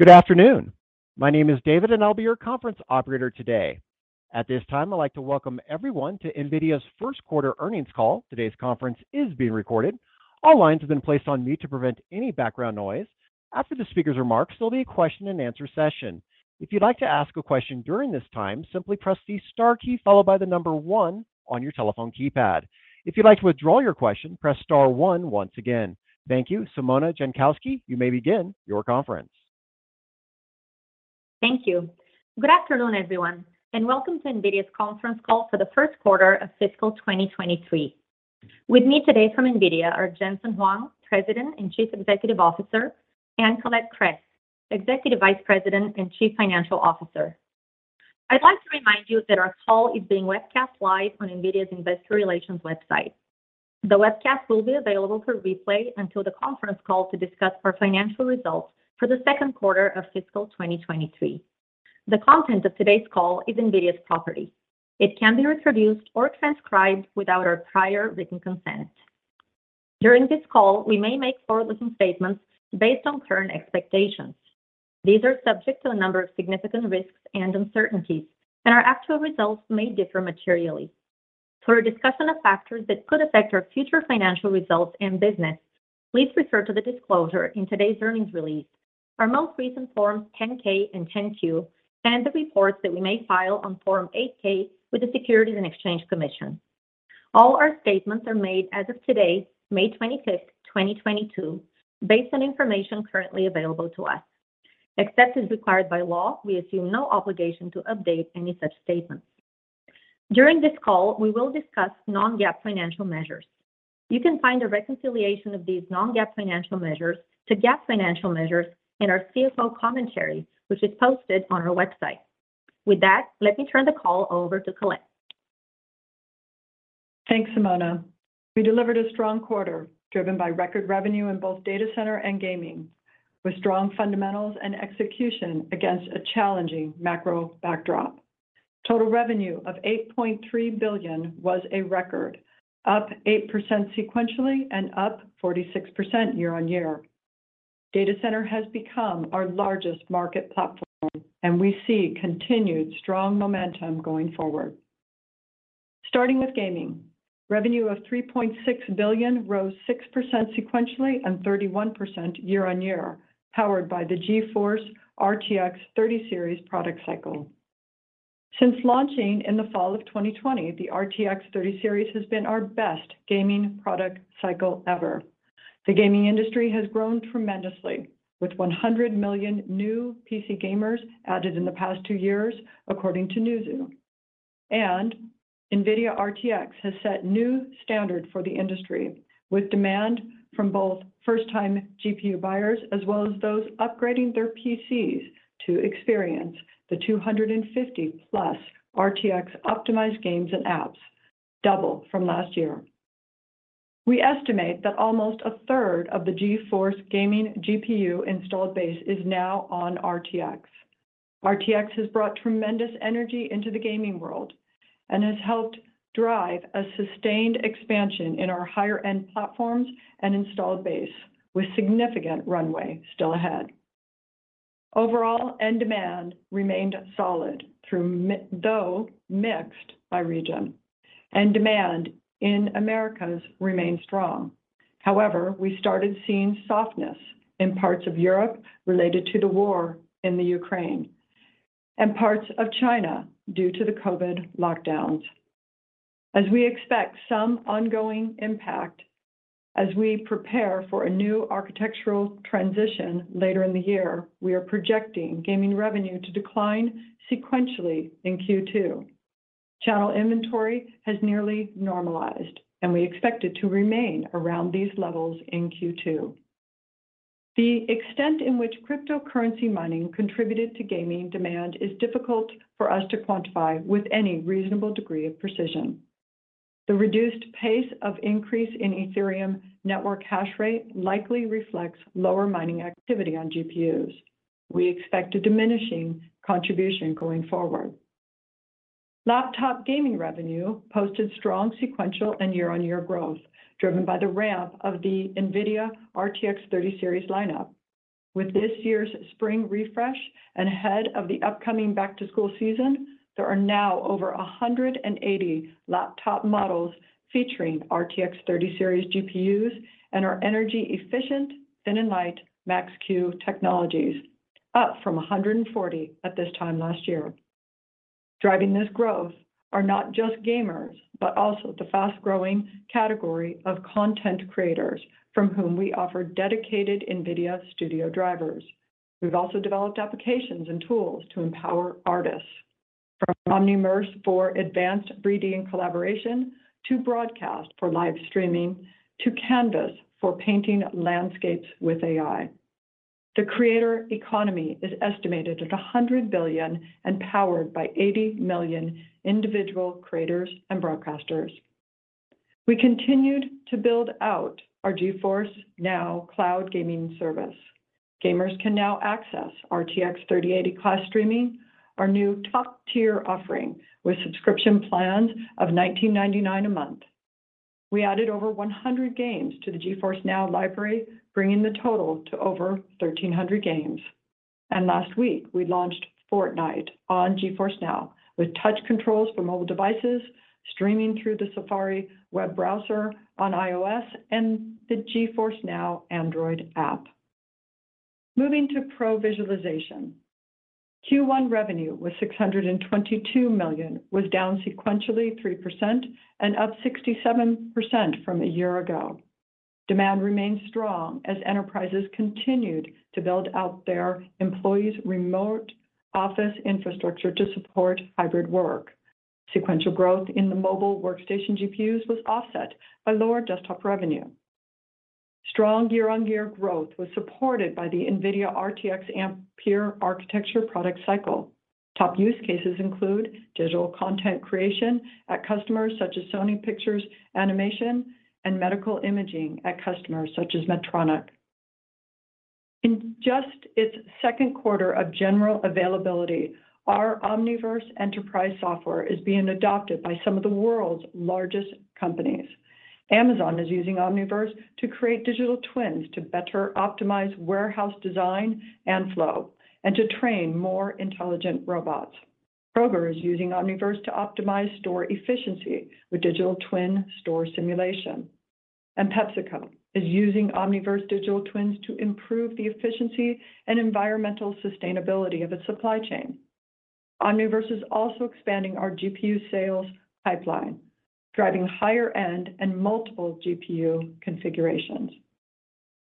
Good afternoon. My name is David, and I'll be your conference operator today. At this time, I'd like to welcome everyone to NVIDIA's first quarter earnings call. Today's conference is being recorded. All lines have been placed on mute to prevent any background noise. After the speaker's remarks, there'll be a question-and-answer session. If you'd like to ask a question during this time, simply press the star key followed by the number one on your telephone keypad. If you'd like to withdraw your question, press star one once again. Thank you. Simona Jankowski, you may begin your conference. Thank you. Good afternoon, everyone, and welcome to NVIDIA's conference call for the first quarter of fiscal 2023. With me today from NVIDIA are Jensen Huang, President and Chief Executive Officer, and Colette Kress, Executive Vice President and Chief Financial Officer. I'd like to remind you that our call is being webcast live on NVIDIA's investor relations website. The webcast will be available for replay until the conference call to discuss our financial results for the second quarter of fiscal 2023. The content of today's call is NVIDIA's property. It can't be reproduced or transcribed without our prior written consent. During this call, we may make forward-looking statements based on current expectations. These are subject to a number of significant risks and uncertainties, and our actual results may differ materially. For a discussion of factors that could affect our future financial results and business, please refer to the disclosure in today's earnings release, our most recent Forms 10-K and 10-Q, and the reports that we may file on Form 8-K with the Securities and Exchange Commission. All our statements are made as of today, May 25th, 2022, based on information currently available to us. Except as required by law, we assume no obligation to update any such statements. During this call, we will discuss non-GAAP financial measures. You can find a reconciliation of these non-GAAP financial measures to GAAP financial measures in our CFO commentary, which is posted on our website. With that, let me turn the call over to Colette. Thanks, Simona. We delivered a strong quarter, driven by record revenue in both data center and gaming, with strong fundamentals and execution against a challenging macro backdrop. Total revenue of $8.3 billion was a record, up 8% sequentially and up 46% year-on-year. Data center has become our largest market platform, and we see continued strong momentum going forward. Starting with gaming, revenue of $3.6 billion rose 6% sequentially and 31% year-on-year, powered by the GeForce RTX 30 series product cycle. Since launching in the fall of 2020, the RTX 30 series has been our best gaming product cycle ever. The gaming industry has grown tremendously, with 100 million new PC gamers added in the past two years, according to Newzoo. NVIDIA RTX has set new standard for the industry, with demand from both first-time GPU buyers as well as those upgrading their PCs to experience the 250+ RTX optimized games and apps, double from last year. We estimate that almost a third of the GeForce gaming GPU installed base is now on RTX. RTX has brought tremendous energy into the gaming world and has helped drive a sustained expansion in our higher-end platforms and installed base, with significant runway still ahead. Overall, end demand remained solid through, though mixed by region. End demand in Americas remained strong. However, we started seeing softness in parts of Europe related to the war in the Ukraine and parts of China due to the COVID lockdowns. As we expect some ongoing impact as we prepare for a new architectural transition later in the year, we are projecting gaming revenue to decline sequentially in Q2. Channel inventory has nearly normalized, and we expect it to remain around these levels in Q2. The extent in which cryptocurrency mining contributed to gaming demand is difficult for us to quantify with any reasonable degree of precision. The reduced pace of increase in Ethereum network hash rate likely reflects lower mining activity on GPUs. We expect a diminishing contribution going forward. Laptop gaming revenue posted strong sequential and year-on-year growth, driven by the ramp of the NVIDIA RTX 30 series lineup. With this year's spring refresh and ahead of the upcoming back-to-school season, there are now over 180 laptop models featuring RTX 30 series GPUs and our energy efficient, thin and light Max-Q technologies, up from 140 at this time last year. Driving this growth are not just gamers, but also the fast-growing category of content creators, from whom we offer dedicated NVIDIA Studio drivers. We've also developed applications and tools to empower artists, from Omniverse for advanced 3D and collaboration, to Broadcast for live streaming, to Canvas for painting landscapes with AI. The creator economy is estimated at $100 billion and powered by 80 million individual creators and broadcasters. We continued to build out our GeForce NOW cloud gaming service. Gamers can now access RTX 3080 class streaming, our new top-tier offering with subscription plans of $19.99 a month. We added over 100 games to the GeForce NOW library, bringing the total to over 1,300 games. Last week, we launched Fortnite on GeForce NOW with touch controls for mobile devices streaming through the Safari web browser on iOS and the GeForce NOW Android app. Moving to Professional Visualization. Q1 revenue was $622 million, was down sequentially 3% and up 67% from a year ago. Demand remains strong as enterprises continued to build out their employees' remote office infrastructure to support hybrid work. Sequential growth in the mobile workstation GPUs was offset by lower desktop revenue. Strong year-on-year growth was supported by the NVIDIA RTX Ampere architecture product cycle. Top use cases include digital content creation at customers such as Sony Pictures Animation and Medical Imaging at customers such as Medtronic. In just its second quarter of general availability, our Omniverse Enterprise software is being adopted by some of the world's largest companies. Amazon is using Omniverse to create digital twins to better optimize warehouse design and flow and to train more intelligent robots. Kroger is using Omniverse to optimize store efficiency with digital twin store simulation. PepsiCo is using Omniverse digital twins to improve the efficiency and environmental sustainability of its supply chain. Omniverse is also expanding our GPU sales pipeline, driving higher end and multiple GPU configurations.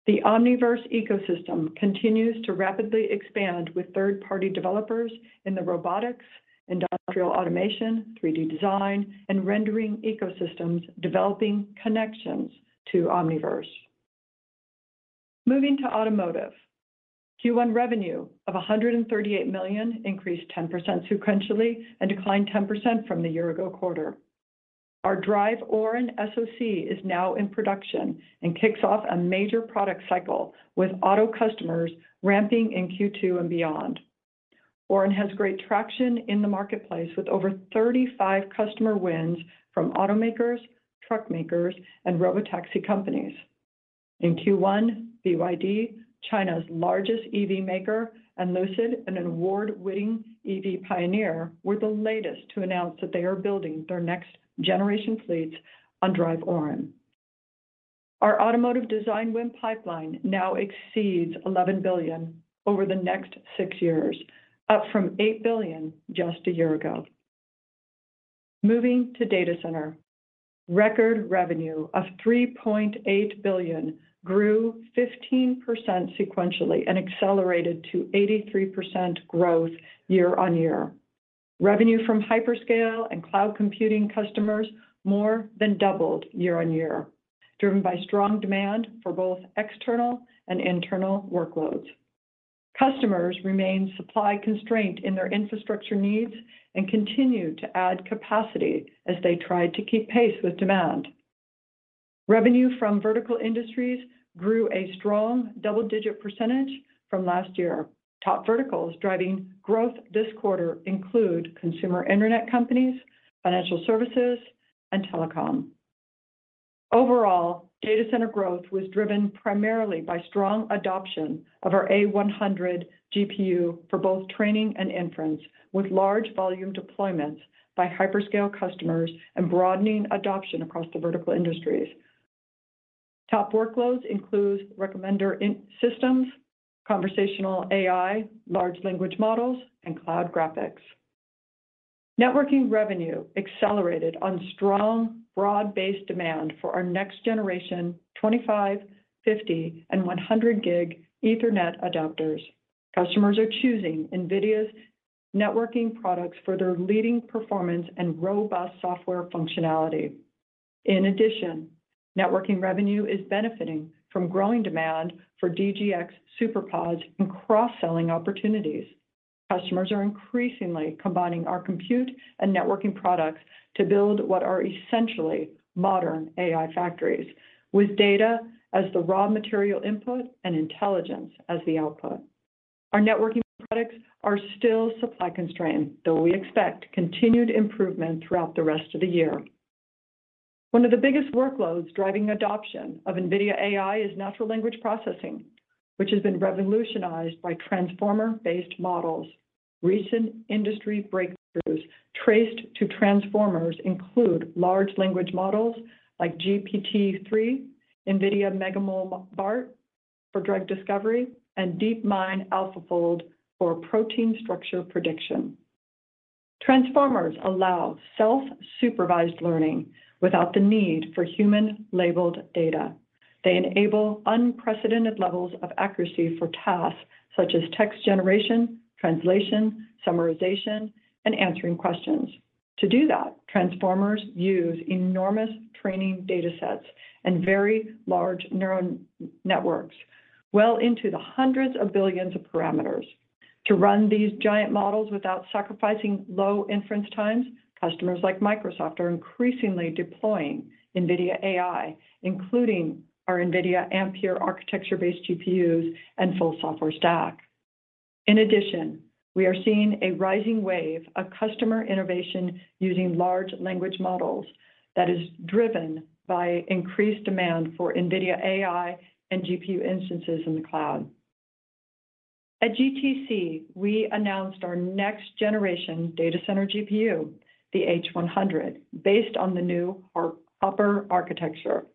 The Omniverse ecosystem continues to rapidly expand with third-party developers in the robotics, industrial automation, 3D design, and rendering ecosystems developing connections to Omniverse. Moving to automotive. Q1 revenue of $138 million increased 10% sequentially and declined 10% from the year-ago quarter. Our DRIVE Orin SoC is now in production and kicks off a major product cycle with auto customers ramping in Q2 and beyond. Orin has great traction in the marketplace with over 35 customer wins from automakers, truck makers, and robotaxi companies. In Q1, BYD, China's largest EV maker, and Lucid, an award-winning EV pioneer, were the latest to announce that they are building their next generation fleets on DRIVE Orin. Our automotive design win pipeline now exceeds $11 billion over the next six years, up from $8 billion just a year ago. Moving to data center. Record revenue of $3.8 billion grew 15% sequentially and accelerated to 83% growth year-on-year. Revenue from hyperscale and cloud computing customers more than doubled year-over-year, driven by strong demand for both external and internal workloads. Customers remain supply constrained in their infrastructure needs and continue to add capacity as they try to keep pace with demand. Revenue from vertical industries grew a strong double-digit percentage from last year. Top verticals driving growth this quarter include consumer internet companies, financial services, and telecom. Overall, data center growth was driven primarily by strong adoption of our A100 GPU for both training and inference, with large volume deployments by hyperscale customers and broadening adoption across the vertical industries. Top workloads include recommender systems, conversational AI, large language models, and cloud graphics. Networking revenue accelerated on strong, broad-based demand for our next generation 25, 50, and 100 gig Ethernet adapters. Customers are choosing NVIDIA's networking products for their leading performance and robust software functionality. In addition, networking revenue is benefiting from growing demand for DGX SuperPODs and cross-selling opportunities. Customers are increasingly combining our compute and networking products to build what are essentially modern AI factories, with data as the raw material input and intelligence as the output. Our networking products are still supply constrained, though we expect continued improvement throughout the rest of the year. One of the biggest workloads driving adoption of NVIDIA AI is natural language processing, which has been revolutionized by transformer-based models. Recent industry breakthroughs traced to transformers include large language models like GPT-3, NVIDIA MegaMolBART for drug discovery, and DeepMind AlphaFold for protein structure prediction. Transformers allow self-supervised learning without the need for human-labeled data. They enable unprecedented levels of accuracy for tasks such as text generation, translation, summarization, and answering questions. To do that, transformers use enormous training datasets and very large neural networks well into the hundreds of billions of parameters. To run these giant models without sacrificing low inference times, customers like Microsoft are increasingly deploying NVIDIA AI, including our NVIDIA Ampere architecture-based GPUs and full software stack. In addition, we are seeing a rising wave of customer innovation using large language models that is driven by increased demand for NVIDIA AI and GPU instances in the cloud. At GTC, we announced our next generation data center GPU, the H100, based on the new Hopper architecture.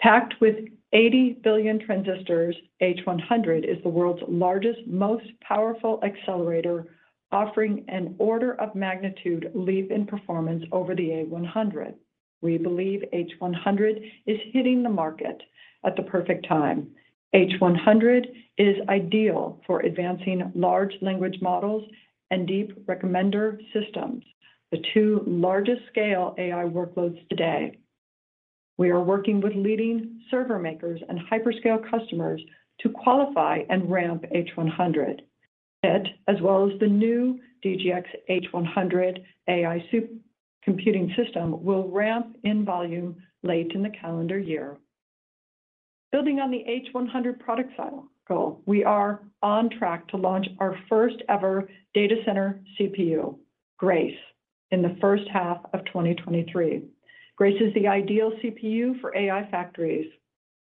Packed with 80 billion transistors, H100 is the world's largest, most powerful accelerator offering an order of magnitude leap in performance over the A100. We believe H100 is hitting the market at the perfect time. H100 is ideal for advancing large language models and deep recommender systems, the two largest scale AI workloads today. We are working with leading server makers and hyperscale customers to qualify and ramp H100. It, as well as the new DGX H100 AI supercomputing system, will ramp in volume late in the calendar year. Building on the H100 product cycle, we are on track to launch our first ever data center CPU, Grace, in the first half of 2023. Grace is the ideal CPU for AI factories.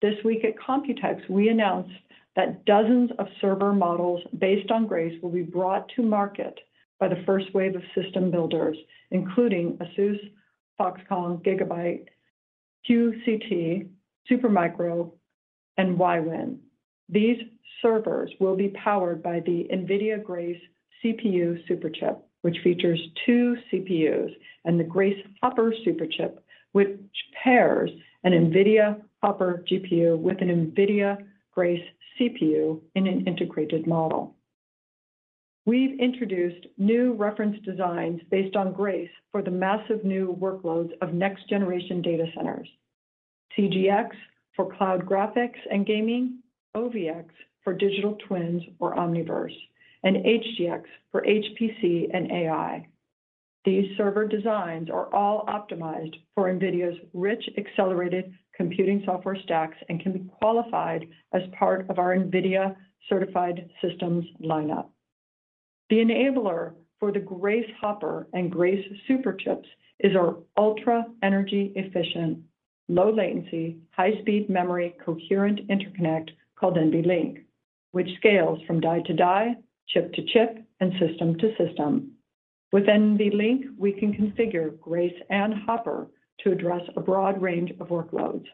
This week at Computex, we announced that dozens of server models based on Grace will be brought to market by the first wave of system builders, including ASUS, Foxconn, GIGABYTE, QCT, Supermicro, and Wiwynn. These servers will be powered by the NVIDIA Grace CPU Superchip, which features two CPUs, and the Grace Hopper Superchip, which pairs an NVIDIA Hopper GPU with an NVIDIA Grace CPU in an integrated model. We've introduced new reference designs based on Grace for the massive new workloads of next generation data centers. CGX for cloud graphics and gaming, OVX for digital twins or Omniverse, and HGX for HPC and AI. These server designs are all optimized for NVIDIA's rich accelerated computing software stacks and can be qualified as part of our NVIDIA-Certified Systems lineup. The enabler for the Grace Hopper and Grace Superchips is our ultra energy efficient, low latency, high speed memory coherent interconnect called NVLink, which scales from die to die, chip to chip, and system to system. With NVLink, we can configure Grace and Hopper to address a broad range of workloads.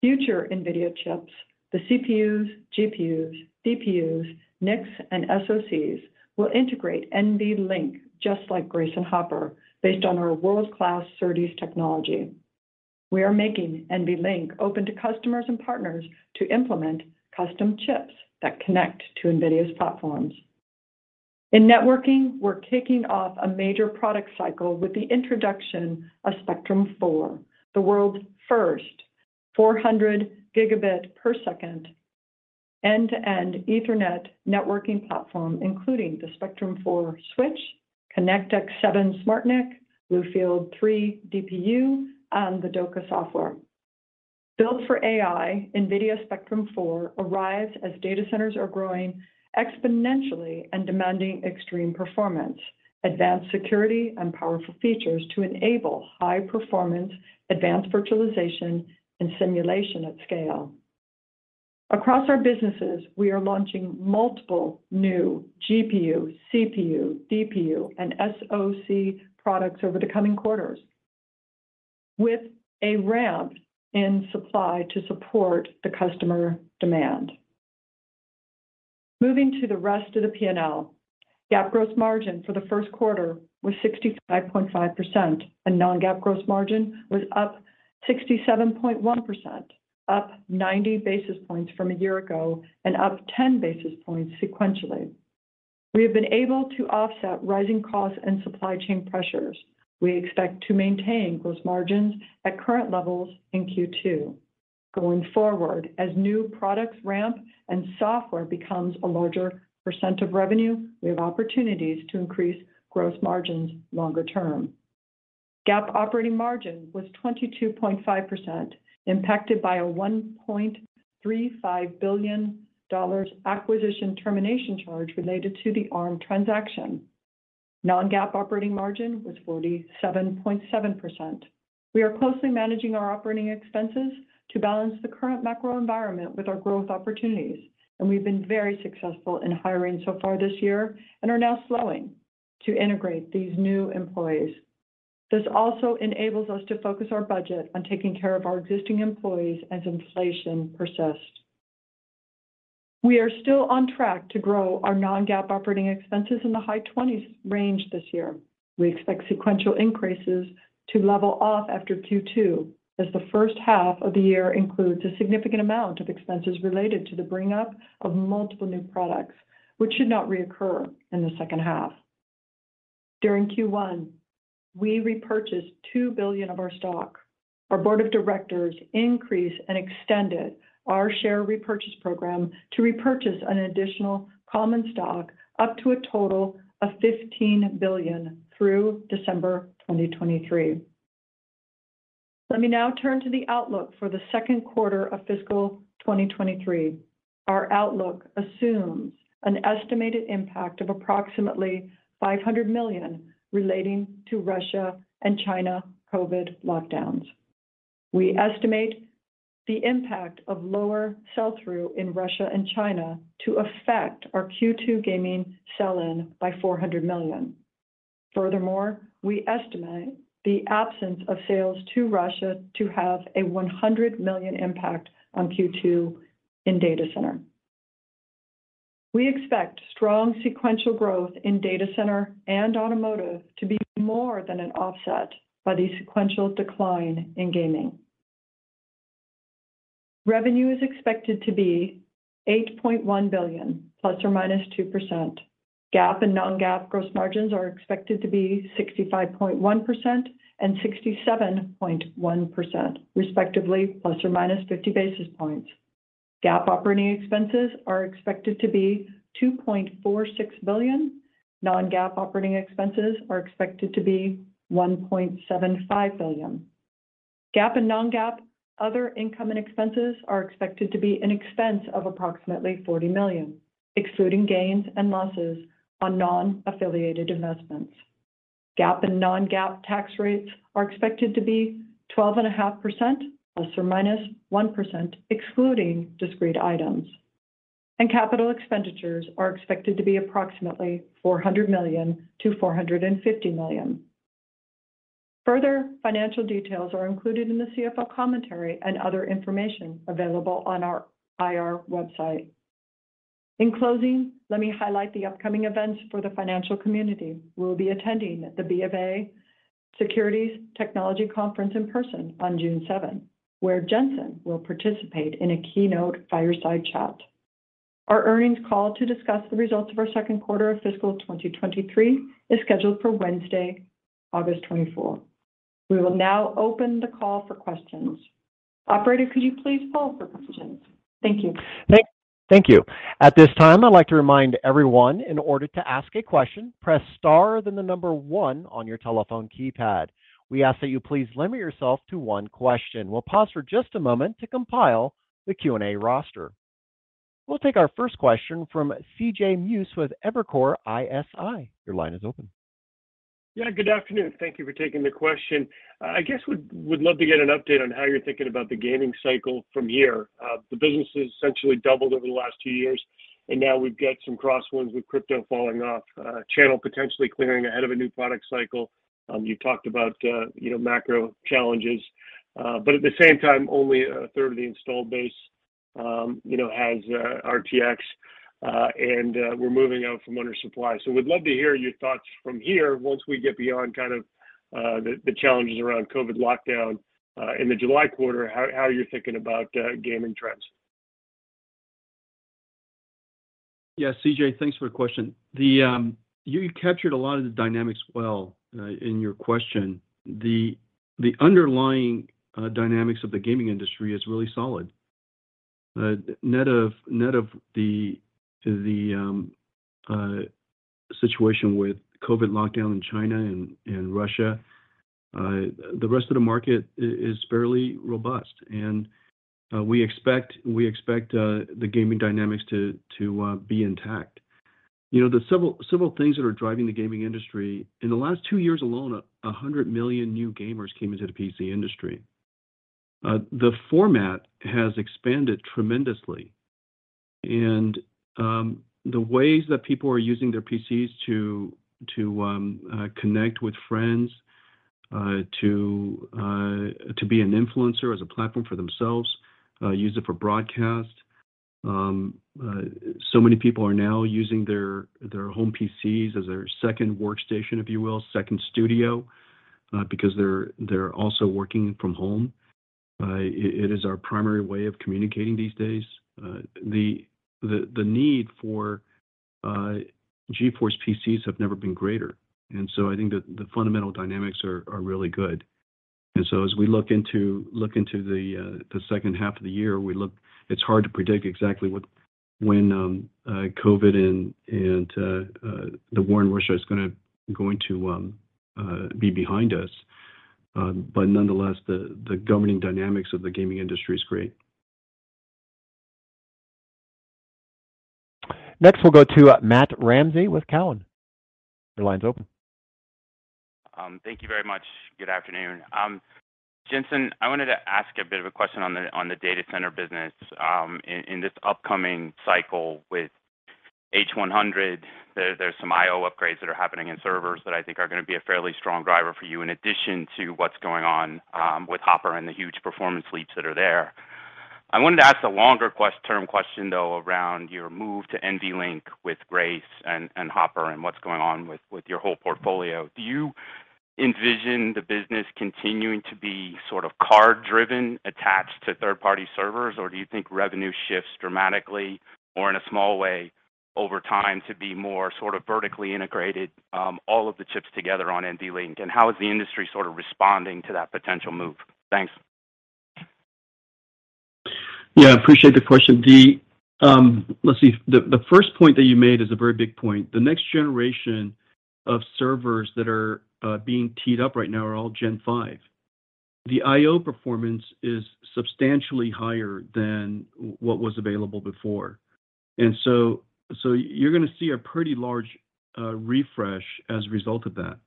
Future NVIDIA chips, the CPUs, GPUs, DPUs, NICs, and SoCs will integrate NVLink just like Grace and Hopper based on our world-class SerDes technology. We are making NVLink open to customers and partners to implement custom chips that connect to NVIDIA's platforms. In networking, we're kicking off a major product cycle with the introduction of Spectrum-4, the world's first 400 gigabit per second end-to-end Ethernet networking platform, including the Spectrum-4 switch, ConnectX-7 SmartNIC, BlueField-3 DPU, and the DOCA software. Built for AI, NVIDIA Spectrum-4 arrives as data centers are growing exponentially and demanding extreme performance, advanced security, and powerful features to enable high performance, advanced virtualization, and simulation at scale. Across our businesses, we are launching multiple new GPU, CPU, DPU, and SoC products over the coming quarters with a ramp in supply to support the customer demand. Moving to the rest of the P&L, GAAP gross margin for the first quarter was 65.5% and non-GAAP gross margin was up 67.1%, up 90 basis points from a year ago and up 10 basis points sequentially. We have been able to offset rising costs and supply chain pressures. We expect to maintain gross margins at current levels in Q2. Going forward, as new products ramp and software becomes a larger percent of revenue, we have opportunities to increase gross margins longer term. GAAP operating margin was 22.5%, impacted by a $1.35 billion acquisition termination charge related to the Arm transaction. Non-GAAP operating margin was 47.7%. We are closely managing our operating expenses to balance the current macro environment with our growth opportunities, and we've been very successful in hiring so far this year and are now slowing to integrate these new employees. This also enables us to focus our budget on taking care of our existing employees as inflation persists. We are still on track to grow our non-GAAP operating expenses in the high 20s range this year. We expect sequential increases to level off after Q2 as the first half of the year includes a significant amount of expenses related to the bring up of multiple new products, which should not reoccur in the second half. During Q1, we repurchased $2 billion of our stock. Our board of directors increased and extended our share repurchase program to repurchase an additional common stock up to a total of $15 billion through December 2023. Let me now turn to the outlook for the second quarter of fiscal 2023. Our outlook assumes an estimated impact of approximately $500 million relating to Russia and China COVID lockdowns. We estimate the impact of lower sell-through in Russia and China to affect our Q2 gaming sell-in by $400 million. Furthermore, we estimate the absence of sales to Russia to have a $100 million impact on Q2 in data center. We expect strong sequential growth in data center and automotive to more than offset the sequential decline in gaming. Revenue is expected to be $8.1 billion, ±2%. GAAP and non-GAAP gross margins are expected to be 65.1% and 67.1% respectively, ±50 basis points. GAAP operating expenses are expected to be $2.46 billion. Non-GAAP operating expenses are expected to be $1.75 billion. GAAP and non-GAAP other income and expenses are expected to be an expense of approximately $40 million, excluding gains and losses on non-affiliated investments. GAAP and non-GAAP tax rates are expected to be 12.5%, ±1%, excluding discrete items. Capital expenditures are expected to be approximately $400 million-$450 million. Further financial details are included in the CFO commentary and other information available on our IR website. In closing, let me highlight the upcoming events for the financial community. We'll be attending the BofA Securities Technology Conference in person on June 7, where Jensen will participate in a keynote fireside chat. Our earnings call to discuss the results of our second quarter of fiscal 2023 is scheduled for Wednesday, August 24. We will now open the call for questions. Operator, could you please poll for questions? Thank you. Thank you. At this time, I'd like to remind everyone in order to ask a question, press star, then the number one on your telephone keypad. We ask that you please limit yourself to one question. We'll pause for just a moment to compile the Q&A roster. We'll take our first question from CJ Muse with Evercore ISI. Your line is open. Yeah, goo`d afternoon. Thank you for taking the question. I guess we'd love to get an update on how you're thinking about the gaming cycle from here. The business has essentially doubled over the last two years, and now we've got some crosswinds with crypto falling off, channel potentially clearing ahead of a new product cycle. You talked about, you know, macro challenges, but at the same time, only a third of the installed base, you know, has RTX, and we're moving out from under supply. We'd love to hear your thoughts from here once we get beyond kind of the challenges around COVID lockdown in the July quarter, how you're thinking about gaming trends. Yeah, C.J., thanks for the question. You captured a lot of the dynamics well in your question. The underlying dynamics of the gaming industry is really solid. Net of the situation with COVID lockdown in China and Russia, the rest of the market is fairly robust, and we expect the gaming dynamics to be intact. You know, several things that are driving the gaming industry, in the last two years alone, 100 million new gamers came into the PC industry. The format has expanded tremendously, and the ways that people are using their PCs to connect with friends, to be an influencer as a platform for themselves, use it for broadcast. So many people are now using their home PCs as their second workstation, if you will, second studio, because they're also working from home. It is our primary way of communicating these days. The need for GeForce PCs has never been greater. I think that the fundamental dynamics are really good. As we look into the second half of the year, it's hard to predict exactly when COVID and the war in Russia is gonna be behind us. Nonetheless, the governing dynamics of the gaming industry is great. Next, we'll go to Matthew Ramsay with Cowen. Your line's open. Thank you very much. Good afternoon. Jensen, I wanted to ask a bit of a question on the data center business. In this upcoming cycle with H100, there's some I/O upgrades that are happening in servers that I think are gonna be a fairly strong driver for you in addition to what's going on with Hopper and the huge performance leaps that are there. I wanted to ask a longer term question, though, around your move to NVLink with Grace and Hopper and what's going on with your whole portfolio. Do you envision the business continuing to be sort of card-driven, attached to third-party servers, or do you think revenue shifts dramatically or in a small way over time to be more sort of vertically integrated, all of the chips together on NVLink? How is the industry sort of responding to that potential move? Thanks. Yeah, appreciate the question, Dee. Let's see. The first point that you made is a very big point. The next generation of servers that are being teed up right now are all Gen 5. The I/O performance is substantially higher than what was available before. So you're gonna see a pretty large refresh as a result of that.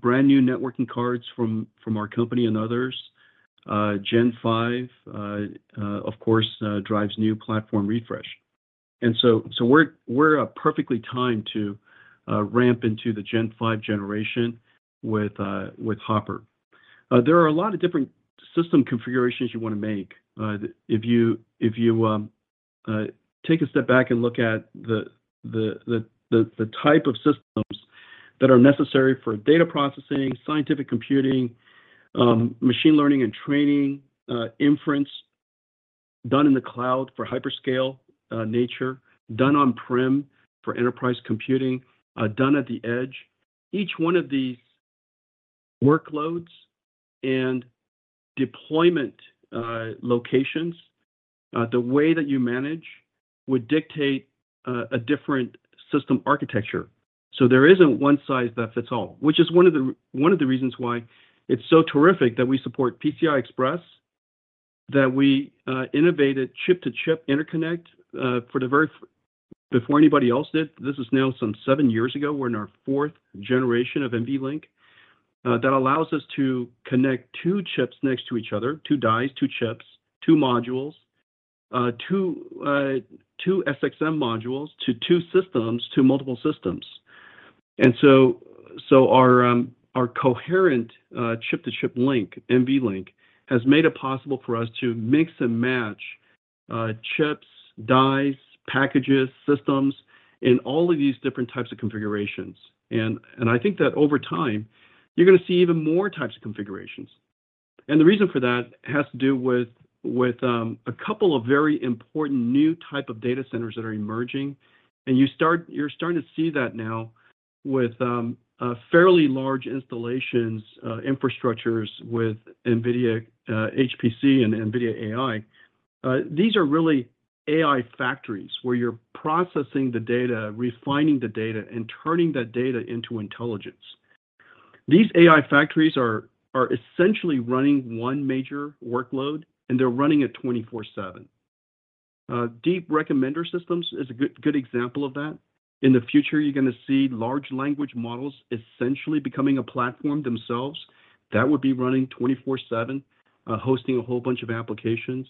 Brand-new networking cards from our company and others, Gen 5, of course, drives new platform refresh. So we're perfectly timed to ramp into the Gen 5 generation with Hopper. There are a lot of different system configurations you wanna make. If you take a step back and look at the type of systems that are necessary for data processing, scientific computing, machine learning and training, inference done in the cloud for hyperscale nature, done on-prem for enterprise computing, done at the edge. Each one of these workloads and deployment locations, the way that you manage would dictate a different system architecture. There isn't one size that fits all, which is one of the reasons why it's so terrific that we support PCI Express, that we innovated chip-to-chip interconnect before anybody else did. This is now some seven years ago. We're in our fourth generation of NVLink. That allows us to connect two chips next to each other, two dies, two chips, two modules, two SXM modules to two systems, to multiple systems. Our coherent chip-to-chip link, NVLink, has made it possible for us to mix and match chips, dies, packages, systems in all of these different types of configurations. I think that over time, you're gonna see even more types of configurations. The reason for that has to do with a couple of very important new type of data centers that are emerging. You're starting to see that now with fairly large installations, infrastructures with NVIDIA HPC and NVIDIA AI. These are really AI factories where you're processing the data, refining the data, and turning that data into intelligence. These AI factories are essentially running one major workload, and they're running it 24/7. Deep recommender systems is a good example of that. In the future, you're gonna see large language models essentially becoming a platform themselves that would be running 24/7, hosting a whole bunch of applications.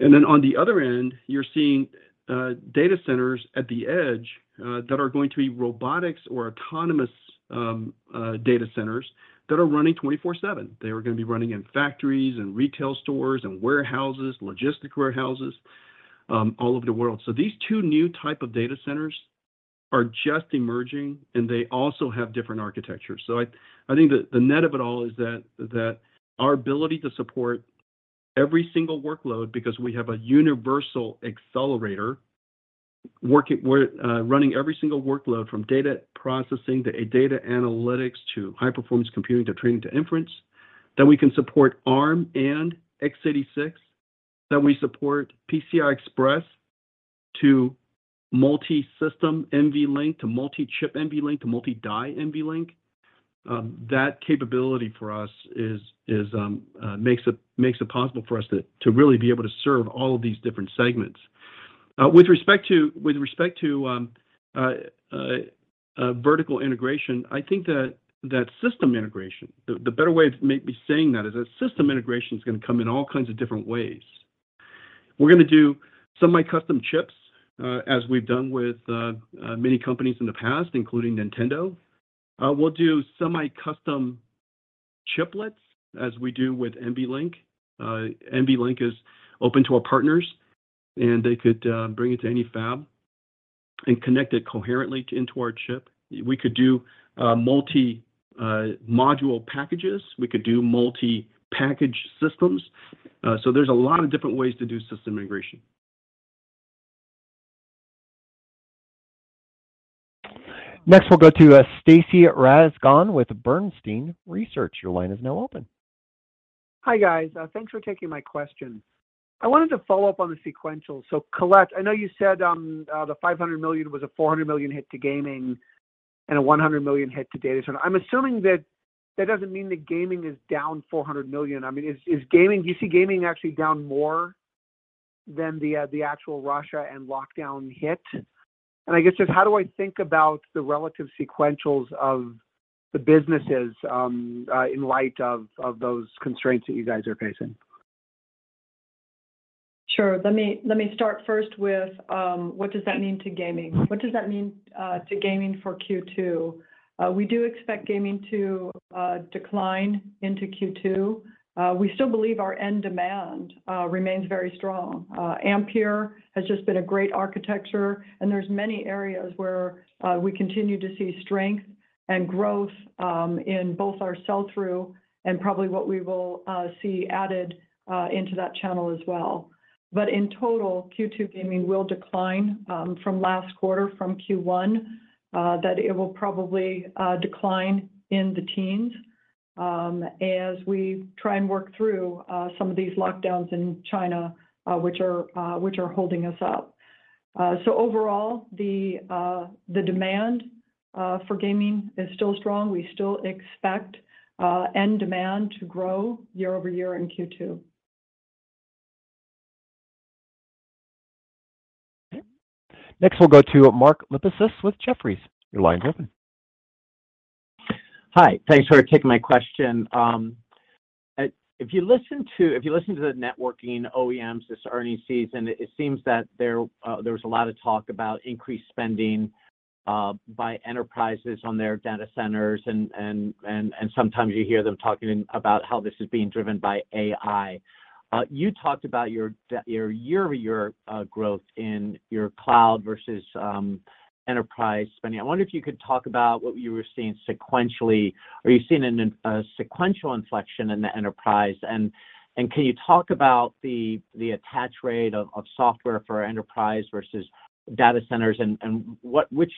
On the other end, you're seeing data centers at the edge that are going to be robotics or autonomous data centers that are running 24/7. They are gonna be running in factories and retail stores and warehouses, logistic warehouses, all over the world. These two new type of data centers are just emerging, and they also have different architectures. I think the net of it all is that our ability to support every single workload because we have a universal accelerator running every single workload from data processing to data analytics to high-performance computing to training to inference, that we can support Arm and x86, that we support PCI Express to multisystem NVLink, to multi-chip NVLink, to multi-die NVLink. That capability for us is makes it possible for us to really be able to serve all of these different segments. With respect to vertical integration, I think that system integration, the better way of me saying that is that system integration is gonna come in all kinds of different ways. We're gonna do semi-custom chips, as we've done with many companies in the past, including Nintendo. We'll do semi-custom chiplets, as we do with NVLink. NVLink is open to our partners, and they could bring it to any fab and connect it coherently into our chip. We could do multi-module packages. We could do multi-package systems. There's a lot of different ways to do system integration. Next, we'll go to Stacy Rasgon with Bernstein Research. Your line is now open. Hi, guys. Thanks for taking my question. I wanted to follow up on the sequential. Colette, I know you said the $500 million was a $400 million hit to gaming and a $100 million hit to data center. I'm assuming that that doesn't mean that gaming is down $400 million. I mean, do you see gaming actually down more than the actual Russia and lockdown hit? I guess just how do I think about the relative sequentials of the businesses in light of those constraints that you guys are facing? Sure. Let me start first with what does that mean to gaming. What does that mean to gaming for Q2? We do expect gaming to decline into Q2. We still believe our end demand remains very strong. Ampere has just been a great architecture, and there's many areas where we continue to see strength and growth in both our sell-through and probably what we will see added into that channel as well. In total, Q2 gaming will decline from last quarter, from Q1, that it will probably decline in the teens. As we try and work through some of these lockdowns in China, which are holding us up. Overall, the demand for gaming is still strong. We still expect end demand to grow year-over-year in Q2. Next, we'll go to Mark Lipacis with Jefferies. Your line's open. Hi. Thanks for taking my question. If you listen to the networking OEMs this earnings season, it seems that there was a lot of talk about increased spending by enterprises on their data centers and sometimes you hear them talking about how this is being driven by AI. You talked about your year-over-year growth in your cloud versus enterprise spending. I wonder if you could talk about what you were seeing sequentially. Are you seeing a sequential inflection in the enterprise? Can you talk about the attach rate of software for enterprise versus data centers? Which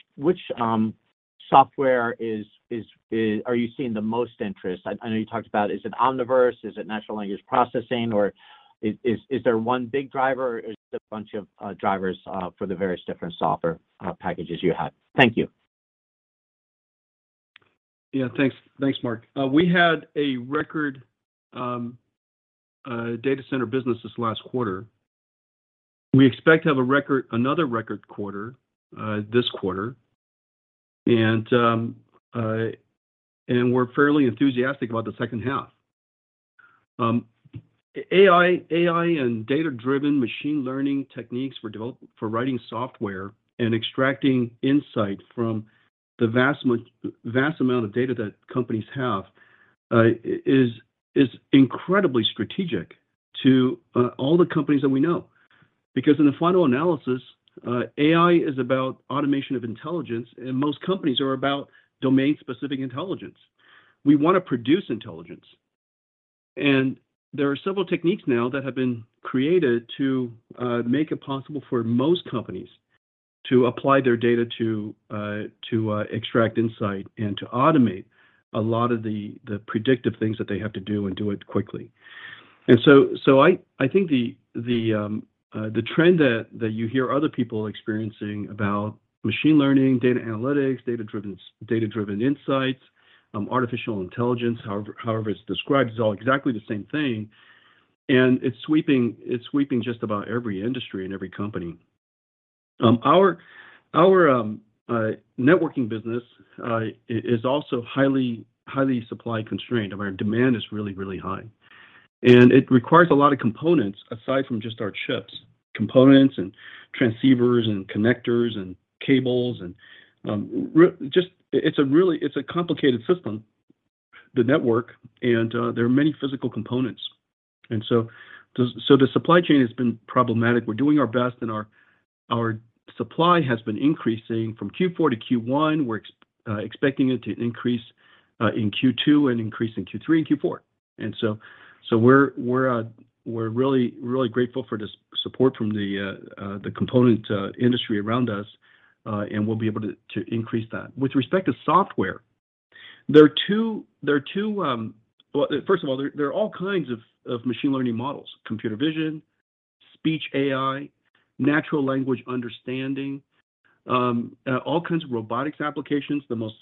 software are you seeing the most interest? I know you talked about, is it Omniverse, is it natural language processing, or is there one big driver or is it a bunch of drivers for the various different software packages you have? Thank you. Yeah. Thanks. Thanks, Mark. We had a record data center business this last quarter. We expect to have another record quarter this quarter. We're fairly enthusiastic about the second half. AI and data-driven machine learning techniques for writing software and extracting insight from the vast amount of data that companies have is incredibly strategic to all the companies that we know. Because in the final analysis, AI is about automation of intelligence, and most companies are about domain-specific intelligence. We want to produce intelligence, and there are several techniques now that have been created to make it possible for most companies to apply their data to extract insight and to automate a lot of the predictive things that they have to do and do it quickly. I think the trend that you hear other people experiencing about machine learning, data analytics, data-driven insights, artificial intelligence, however it's described, is all exactly the same thing, and it's sweeping just about every industry and every company. Our networking business is also highly supply-constrained, and our demand is really high. It requires a lot of components aside from just our chips. Components and transceivers and connectors and cables and it's a really complicated system, the network, and there are many physical components. The supply chain has been problematic. We're doing our best, and our supply has been increasing from Q4 to Q1. We're expecting it to increase in Q2 and increase in Q3 and Q4. We're really grateful for this support from the component industry around us, and we'll be able to increase that. With respect to software, there are two. Well, first of all, there are all kinds of machine learning models. Computer vision, speech AI, natural language understanding, all kinds of robotics applications. The most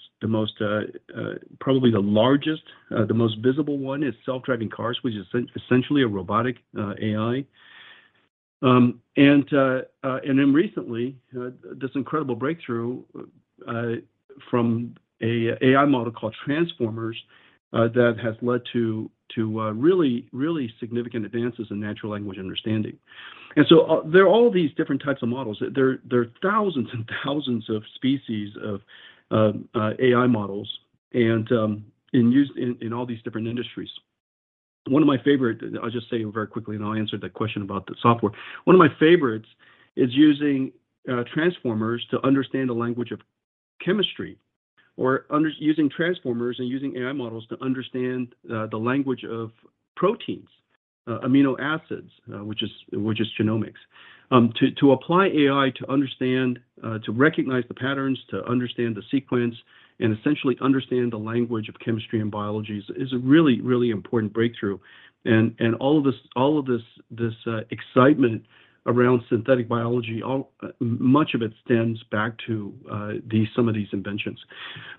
probably the largest the most visible one is self-driving cars, which is essentially a robotic AI. Then recently this incredible breakthrough from an AI model called transformers that has led to really significant advances in natural language understanding. There are all these different types of models. There are thousands and thousands of species of AI models in use in all these different industries. One of my favorite, I'll just say very quickly, and I'll answer the question about the software. One of my favorites is using transformers to understand the language of chemistry or using transformers and using AI models to understand the language of proteins, amino acids, which is genomics. To apply AI to understand to recognize the patterns, to understand the sequence, and essentially understand the language of chemistry and biology is a really, really important breakthrough. All of this excitement around synthetic biology, much of it stems back to some of these inventions.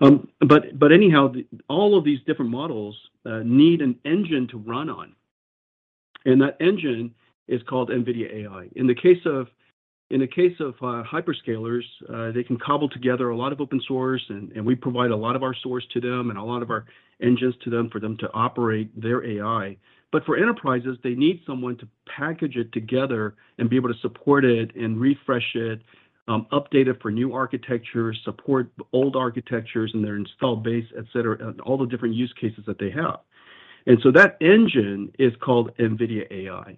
Anyhow, all of these different models need an engine to run on, and that engine is called NVIDIA AI. In the case of hyperscalers, they can cobble together a lot of open source, and we provide a lot of our source to them and a lot of our engines to them for them to operate their AI. For enterprises, they need someone to package it together and be able to support it and refresh it, update it for new architecture, support old architectures and their install base, etc., and all the different use cases that they have. That engine is called NVIDIA AI.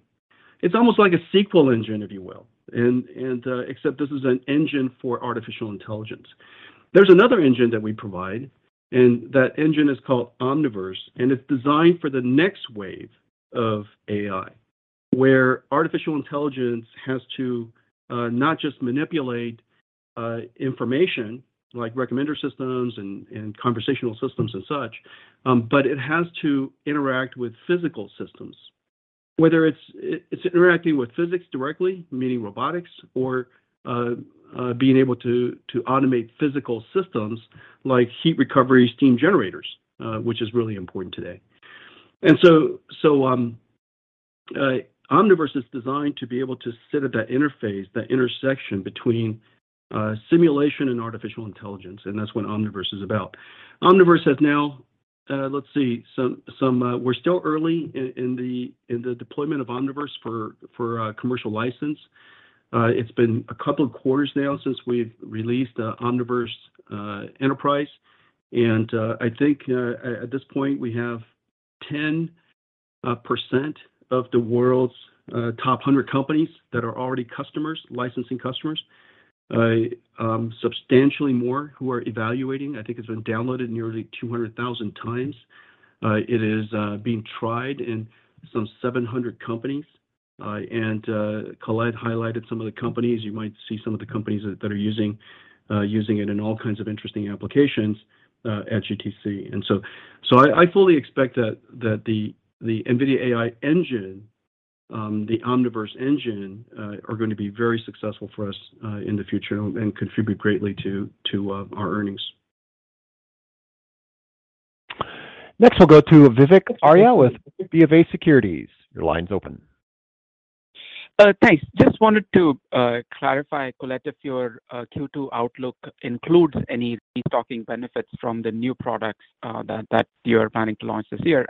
It's almost like a SQL engine, if you will, and except this is an engine for artificial intelligence. There's another engine that we provide, and that engine is called Omniverse, and it's designed for the next wave of AI, where artificial intelligence has to not just manipulate information like recommender systems and conversational systems and such, but it has to interact with physical systems. Whether it's interacting with physics directly, meaning robotics or being able to automate physical systems like heat recovery steam generators, which is really important today. Omniverse is designed to be able to sit at that interface, that intersection between simulation and artificial intelligence, and that's what Omniverse is about. Omniverse has now been released. We're still early in the deployment of Omniverse for commercial license. It's been a couple of quarters now since we've released Omniverse Enterprise. I think at this point we have 10% of the world's top 100 companies that are already customers, licensing customers. Substantially more who are evaluating. I think it's been downloaded nearly 200,000 times. It is being tried in some 700 companies. Colette highlighted some of the companies. You might see some of the companies that are using it in all kinds of interesting applications at GTC. I fully expect that the NVIDIA AI engine, the Omniverse engine are gonna be very successful for us in the future and contribute greatly to our earnings. Next we'll go to Vivek Arya with BofA Securities. Your line's open. Thanks. Just wanted to clarify, Colette, if your Q2 outlook includes any restocking benefits from the new products that you're planning to launch this year.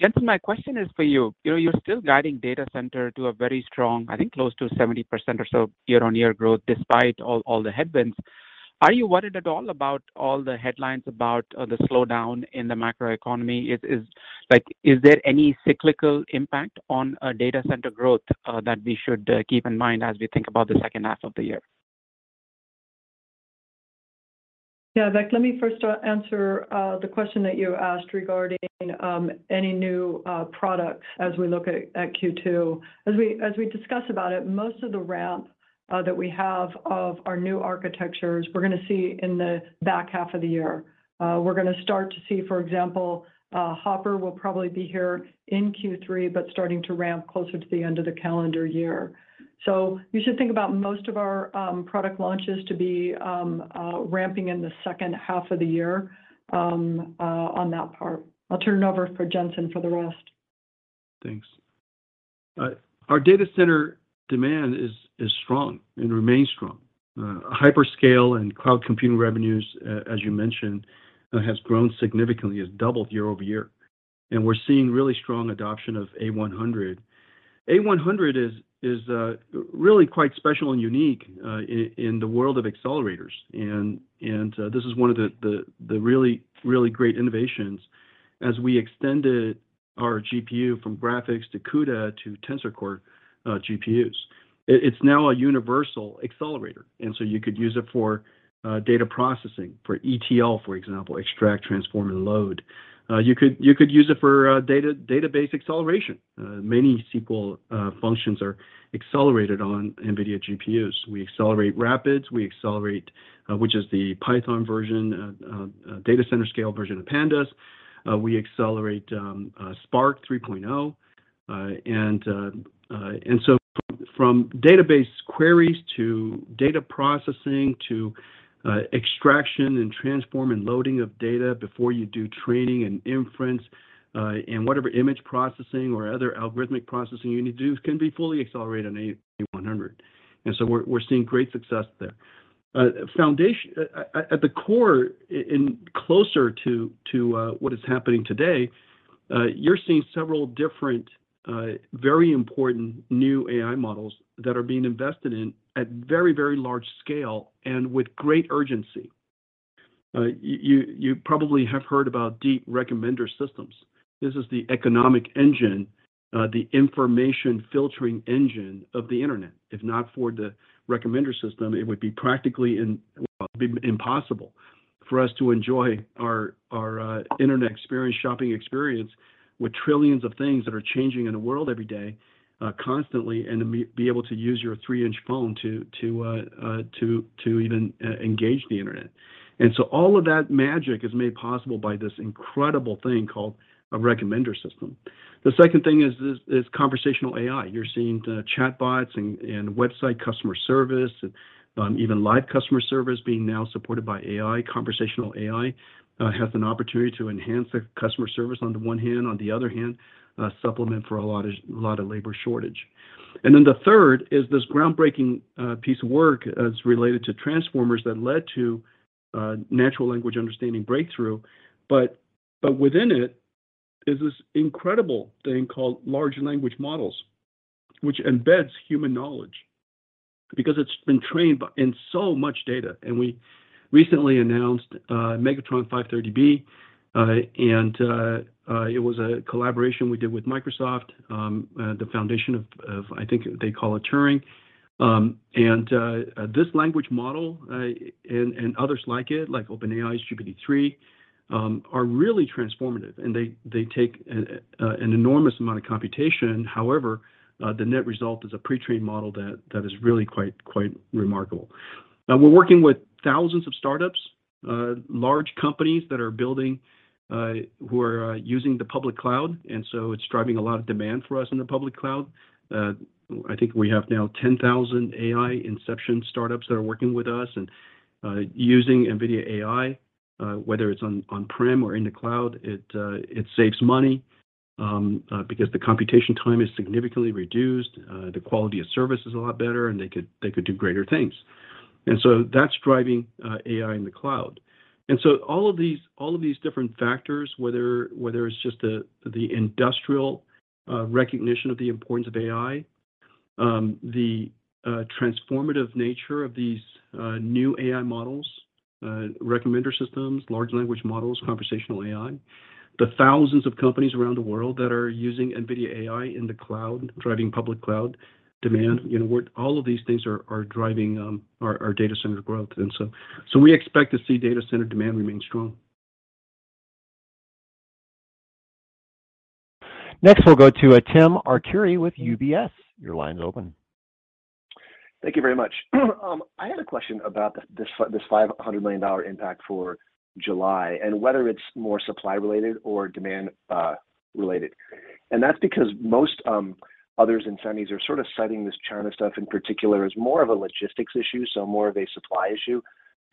Jensen, my question is for you. You know, you're still guiding data center to a very strong, I think close to 70% or so year-on-year growth despite all the headwinds. Are you worried at all about all the headlines about the slowdown in the macroeconomy? Like, is there any cyclical impact on data center growth that we should keep in mind as we think about the second half of the year? Yeah, Vivek. Let me first answer the question that you asked regarding any new products as we look at Q2. As we discuss about it, most of the ramp that we have of our new architectures, we're gonna see in the back half of the year. We're gonna start to see, for example, Hopper will probably be here in Q3, but starting to ramp closer to the end of the calendar year. You should think about most of our product launches to be ramping in the second half of the year, on that part. I'll turn it over for Jensen for the rest. Thanks. Our data center demand is strong and remains strong. Hyperscale and cloud computing revenues, as you mentioned, has grown significantly. It's doubled year-over-year. We're seeing really strong adoption of A100. A100 is really quite special and unique in the world of accelerators. This is one of the really great innovations as we extended our GPU from graphics to CUDA to Tensor Core GPUs. It's now a universal accelerator, and so you could use it for data processing, for ETL, for example, extract, transform, and load. You could use it for data database acceleration. Many SQL functions are accelerated on NVIDIA GPUs. We accelerate RAPIDS, which is the Python version data center scale version of pandas. We accelerate Spark 3.0. From database queries to data processing to extraction, transformation, and loading of data before you do training and inference, and whatever image processing or other algorithmic processing you need to do can be fully accelerated on A100. We're seeing great success there. At the core, closer to what is happening today, you're seeing several different very important new AI models that are being invested in at very, very large scale and with great urgency. You probably have heard about deep recommender systems. This is the economic engine, the information filtering engine of the Internet. If not for the recommender system, it would be practically it'd be impossible for us to enjoy our internet experience, shopping experience with trillions of things that are changing in the world every day, constantly, and to be able to use your three-inch phone to even engage the internet. All of that magic is made possible by this incredible thing called a recommender system. The second thing is this conversational AI. You're seeing chatbots and website customer service, even live customer service being now supported by AI. Conversational AI has an opportunity to enhance the customer service on the one hand. On the other hand, a supplement for a lot of labor shortage. Then the third is this groundbreaking piece of work as related to transformers that led to natural language understanding breakthrough. Within it is this incredible thing called large language models, which embeds human knowledge because it's been trained in so much data. We recently announced Megatron 530B, and it was a collaboration we did with Microsoft, the foundation of I think they call it Turing. This language model and others like it, like OpenAI's GPT-3, are really transformative, and they take an enormous amount of computation. However, the net result is a pre-trained model that is really quite remarkable. Now we're working with thousands of startups, large companies that are using the public cloud, and so it's driving a lot of demand for us in the public cloud. I think we have now 10,000 NVIDIA Inception startups that are working with us and using NVIDIA AI. Whether it's on-prem or in the cloud, it saves money because the computation time is significantly reduced, the quality of service is a lot better, and they could do greater things. That's driving AI in the cloud. All of these different factors, whether it's just the industrial recognition of the importance of AI, the transformative nature of these new AI models, recommender systems, large language models, conversational AI. The thousands of companies around the world that are using NVIDIA AI in the cloud, driving public cloud demand. You know, all of these things are driving our data center growth. We expect to see data center demand remain strong. Next, we'll go to Timothy Arcuri with UBS. Your line's open. Thank you very much. I had a question about this $500 million impact for July and whether it's more supply related or demand related. That's because most others in semis are sort of citing this China stuff in particular as more of a logistics issue, so more of a supply issue.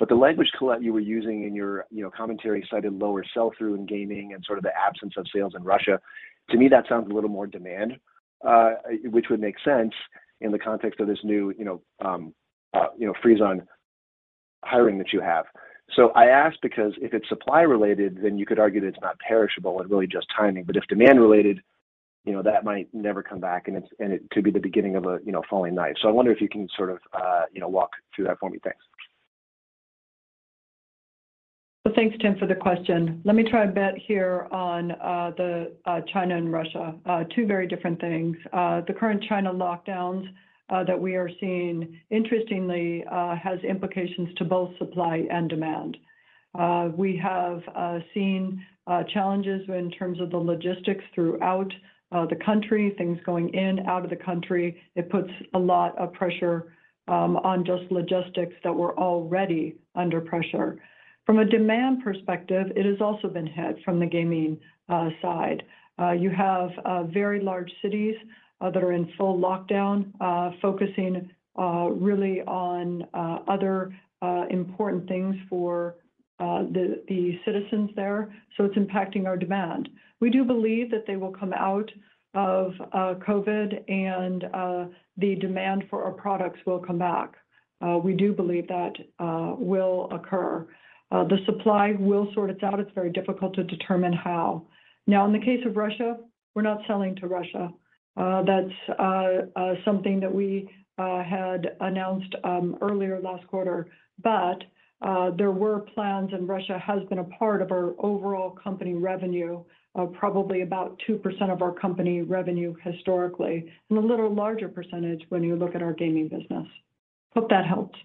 The language, Colette, you were using in your, you know, commentary cited lower sell-through in gaming and sort of the absence of sales in Russia. To me, that sounds a little more demand, which would make sense in the context of this new, you know, freeze on hiring that you have. I ask because if it's supply related, then you could argue that it's not perishable and really just timing. If demand related, you know, that might never come back and it could be the beginning of a, you know, falling knife. I wonder if you can sort of, you know, walk through that for me. Thanks. Well, thanks, Tim, for the question. Let me try a bit here on the China and Russia. Two very different things. The current China lockdowns that we are seeing, interestingly, has implications to both supply and demand. We have seen challenges in terms of the logistics throughout the country, things going in, out of the country. It puts a lot of pressure on just logistics that were already under pressure. From a demand perspective, it has also been hit from the gaming side. You have very large cities that are in full lockdown, focusing really on other important things for the citizens there. It's impacting our demand. We do believe that they will come out of COVID and the demand for our products will come back. We do believe that will occur. The supply will sort itself. It's very difficult to determine how. Now, in the case of Russia, we're not selling to Russia. That's something that we had announced earlier last quarter. There were plans, and Russia has been a part of our overall company revenue, probably about 2% of our company revenue historically, and a little larger percentage when you look at our gaming business. Hope that helped.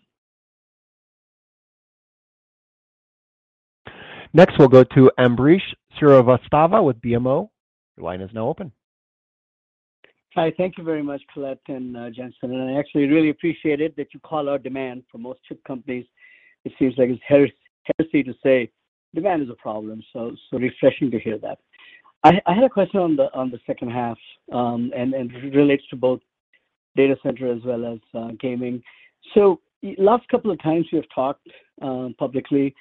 Next, we'll go to Ambrish Srivastava with BMO. Your line is now open. Hi. Thank you very much, Colette and Jensen. I actually really appreciate it that you call out demand. For most chip companies, it seems like it's heresy to say demand is a problem, so refreshing to hear that. I had a question on the second half, and it relates to both data center as well as gaming. Last couple of times you have talked publicly,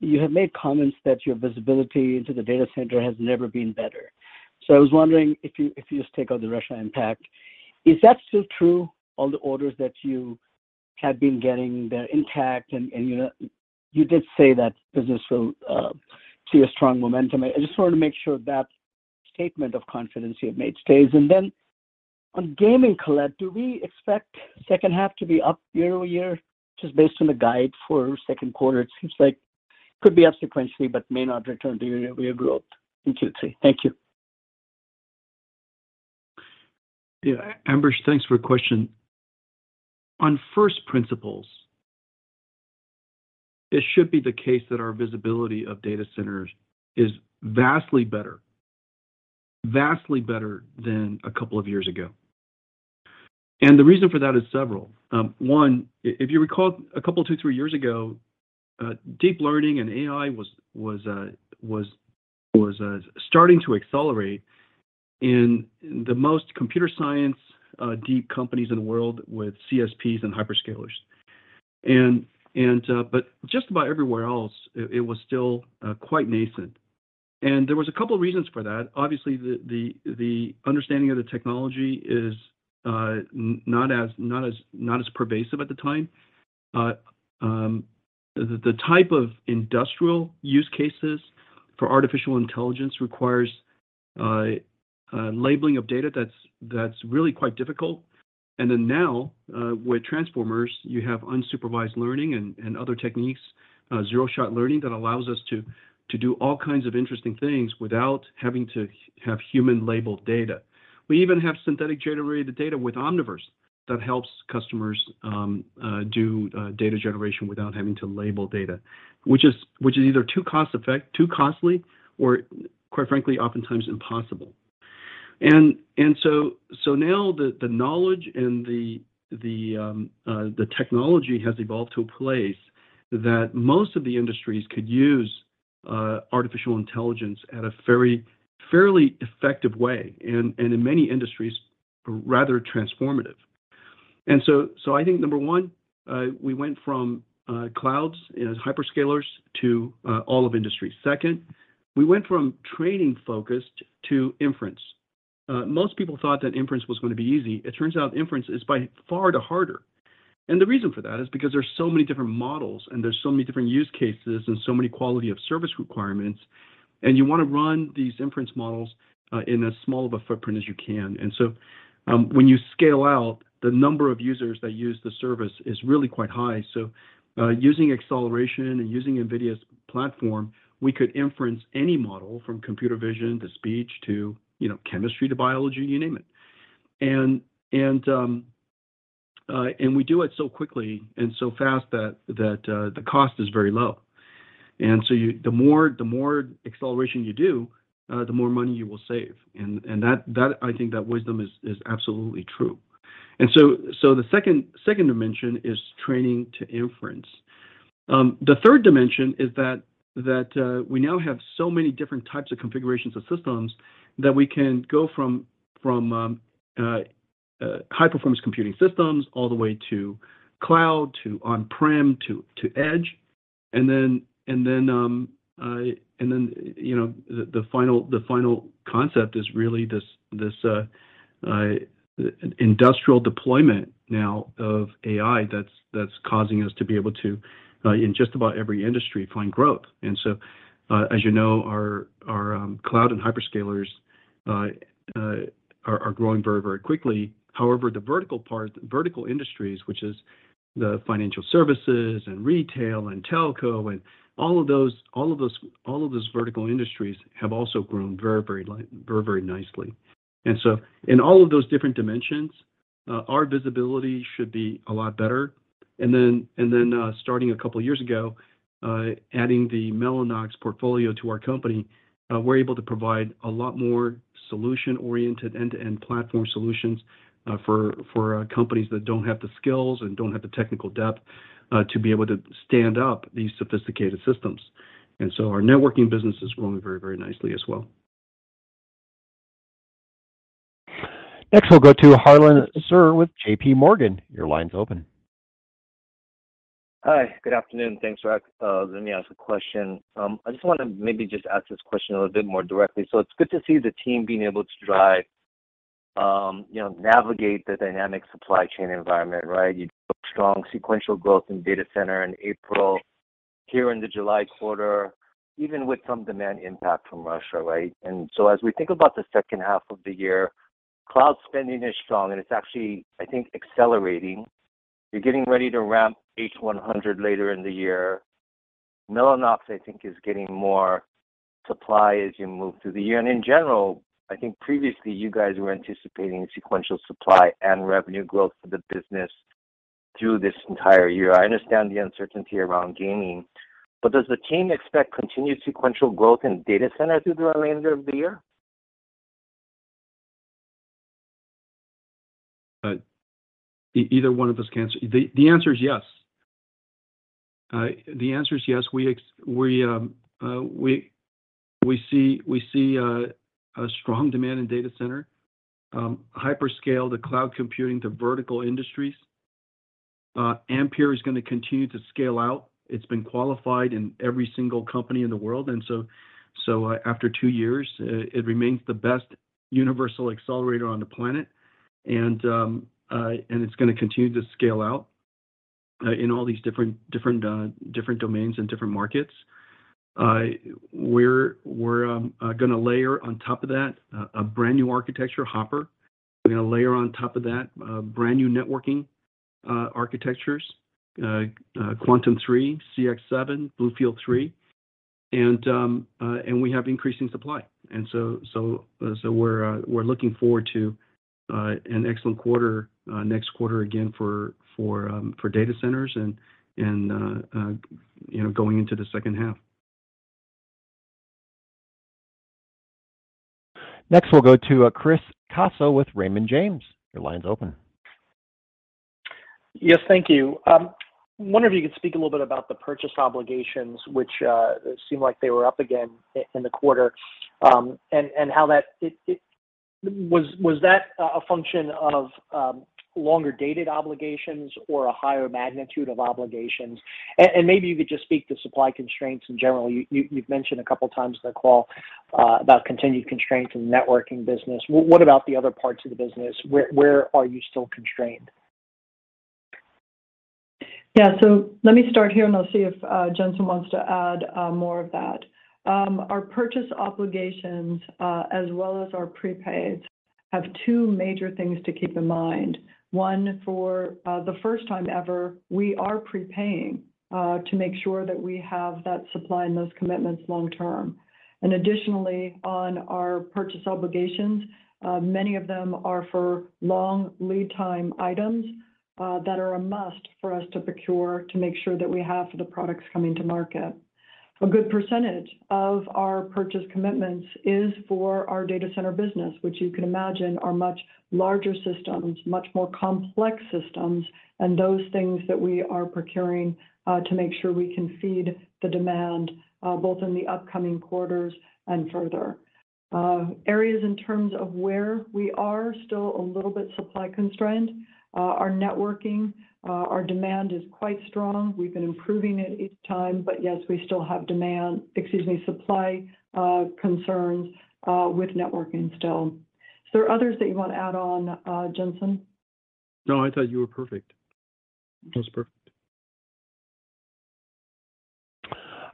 you have made comments that your visibility into the data center has never been better. I was wondering if you just take out the Russia impact, is that still true? All the orders that you had been getting, they're intact? You know, you did say that business will see a strong momentum. I just wanted to make sure that statement of confidence you have made stays. On gaming, Colette, do we expect second half to be up year-over-year? Just based on the guide for second quarter, it seems like could be up sequentially, but may not return to year-over-year growth in Q3. Thank you. Yeah, Ambrish, thanks for your question. On first principles, it should be the case that our visibility of data centers is vastly better than a couple of years ago. The reason for that is several. One, if you recall a couple, two, three years ago, deep learning and AI was starting to accelerate in the most computer science deep companies in the world with CSPs and hyperscalers. But just about everywhere else, it was still quite nascent. There was a couple of reasons for that. Obviously, the understanding of the technology is not as pervasive at the time. The type of industrial use cases for artificial intelligence requires labeling of data that's really quite difficult. Now, with transformers, you have unsupervised learning and other techniques, zero-shot learning that allows us to do all kinds of interesting things without having to have human labeled data. We even have synthetic generated data with Omniverse that helps customers do data generation without having to label data, which is either too costly or quite frankly, oftentimes impossible. Now the knowledge and the technology has evolved to a place that most of the industries could use artificial intelligence at a very fairly effective way and in many industries, rather transformative. I think number one, we went from clouds as hyperscalers to all of industry. Second, we went from training-focused to inference. Most people thought that inference was gonna be easy. It turns out inference is by far the harder. The reason for that is because there's so many different models, and there's so many different use cases, and so many quality of service requirements. You wanna run these inference models in as small of a footprint as you can. When you scale out, the number of users that use the service is really quite high. Using acceleration and using NVIDIA's platform, we could inference any model from computer vision to speech to, you know, chemistry to biology, you name it. We do it so quickly and so fast that the cost is very low. The more acceleration you do, the more money you will save. I think that wisdom is absolutely true. The second dimension is training to inference. The third dimension is that we now have so many different types of configurations of systems that we can go from high-performance computing systems all the way to cloud to on-prem to edge. The final concept is really this industrial deployment now of AI that's causing us to be able to in just about every industry find growth. As you know, our cloud and hyperscalers are growing very, very quickly. However, the vertical industries, which is the financial services and retail and telco and all of those vertical industries have also grown very, very nicely. In all of those different dimensions, our visibility should be a lot better. Starting a couple of years ago, adding the Mellanox portfolio to our company, we're able to provide a lot more solution-oriented end-to-end platform solutions, for companies that don't have the skills and don't have the technical depth, to be able to stand up these sophisticated systems. Our networking business is growing very, very nicely as well. Next, we'll go to Harlan Sur with JPMorgan. Your line's open. Hi, good afternoon. Thanks. Let me ask a question. I just wanna maybe just ask this question a little bit more directly. It's good to see the team being able to drive, you know, navigate the dynamic supply chain environment, right? You built strong sequential growth in data center in April, here in the July quarter, even with some demand impact from Russia, right? As we think about the second half of the year, cloud spending is strong, and it's actually, I think, accelerating. You're getting ready to ramp H100 later in the year. Mellanox, I think, is getting more supply as you move through the year. In general, I think previously you guys were anticipating sequential supply and revenue growth for the business through this entire year. I understand the uncertainty around gaming, but does the team expect continued sequential growth in data center through the remainder of the year? Either one of us can answer. The answer is yes. We see a strong demand in data center, hyperscale to cloud computing to vertical industries. Ampere is gonna continue to scale out. It's been qualified in every single company in the world. So after two years, it remains the best universal accelerator on the planet. It's gonna continue to scale out in all these different domains and different markets. We're gonna layer on top of that a brand new architecture, Hopper. We're gonna layer on top of that brand new networking architectures, Quantum-2 InfiniBand, ConnectX-7, BlueField-3. We have increasing supply. We're looking forward to an excellent quarter next quarter again for data centers and, you know, going into the second half. Next, we'll go to Chris Caso with Raymond James. Your line's open. Yes, thank you. Wondering if you could speak a little bit about the purchase obligations, which seem like they were up again in the quarter, and how that was a function of longer-dated obligations or a higher magnitude of obligations? And maybe you could just speak to supply constraints in general. You've mentioned a couple of times in the call about continued constraints in the networking business. What about the other parts of the business? Where are you still constrained? Yeah. Let me start here, and I'll see if Jensen wants to add more of that. Our purchase obligations, as well as our prepaids Have two major things to keep in mind. One, for the first time ever, we are prepaying to make sure that we have that supply and those commitments long term. Additionally, on our purchase obligations, many of them are for long lead time items that are a must for us to procure to make sure that we have the products coming to market. A good percentage of our purchase commitments is for our data center business, which you can imagine are much larger systems, much more complex systems, and those things that we are procuring to make sure we can feed the demand both in the upcoming quarters and further. Areas in terms of where we are still a little bit supply constrained. Our networking, our demand is quite strong. We've been improving it each time. Yes, we still have demand, excuse me, supply concerns with networking still. Is there others that you wanna add on, Jensen? No, I thought you were perfect. That was perfect.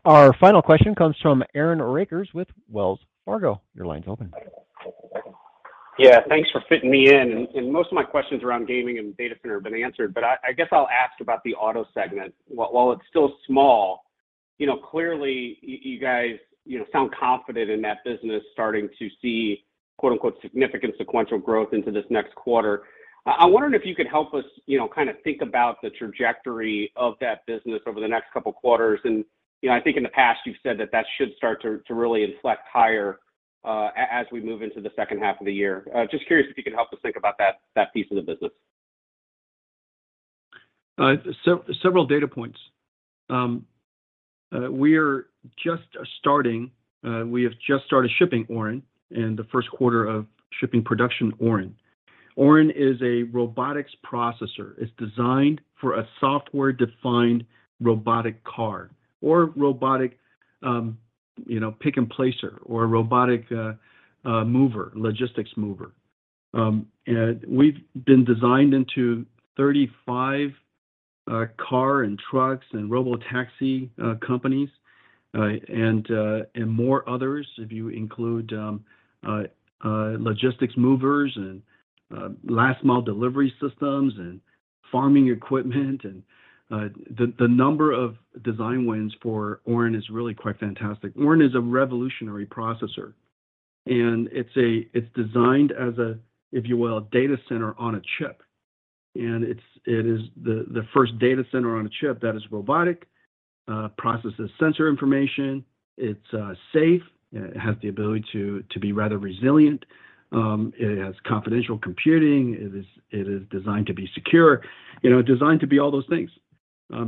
Our final question comes from Aaron Rakers with Wells Fargo. Your line's open. Yeah. Thanks for fitting me in. Most of my questions around gaming and data center have been answered, but I guess I'll ask about the auto segment. While it's still small, you know, clearly you guys, you know, sound confident in that business starting to see, quote unquote, "significant sequential growth" into this next quarter. I'm wondering if you could help us, you know, kinda think about the trajectory of that business over the next couple quarters. You know, I think in the past you've said that that should start to really inflect higher as we move into the second half of the year. Just curious if you could help us think about that piece of the business. Several data points. We're just starting, we have just started shipping Orin in the first quarter of shipping production Orin. Orin is a robotics processor. It's designed for a software-defined robotic car or robotic, you know, pick and placer or robotic mover, logistics mover. We've been designed into 35 car and trucks and robotaxi companies, and more others, if you include logistics movers and last mile delivery systems and farming equipment. The number of design wins for Orin is really quite fantastic. Orin is a revolutionary processor, and it's designed as a, if you will, data center on a chip, and it is the first data center on a chip that is robotic, processes sensor information. It's safe. It has the ability to be rather resilient. It has confidential computing. It is designed to be secure, you know, designed to be all those things,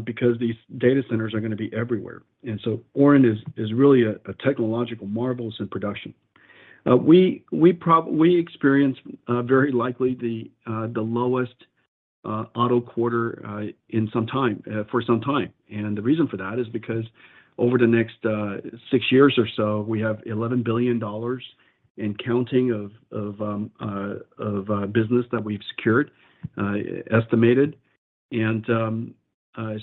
because these data centers are gonna be everywhere. Orin is really a technological marvel in production. We experience very likely the lowest auto quarter in some time for some time. The reason for that is because over the next six years or so, we have $11 billion and counting of business that we've secured, estimated. I